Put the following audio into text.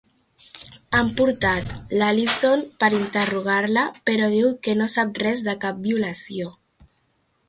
Han portat l'Allison per interrogar-la, però diu que no sap res de cap violació.